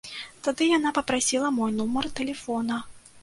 Тады яна папрасіла мой нумар тэлефона.